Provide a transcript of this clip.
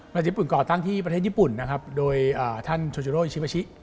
ญี่ปุ่นก่อตั้งที่ประเทศญี่ปุ่นนะครับโดยท่านโชจิโรอิชิมาชิ